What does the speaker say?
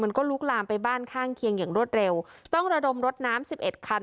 มันก็ลุกลามไปบ้านข้างเคียงอย่างรวดเร็วต้องระดมรถน้ำสิบเอ็ดคัน